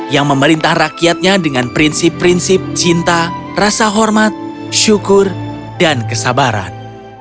yang memerintah rakyatnya dengan prinsip prinsip cinta rasa hormat syukur dan kesabaran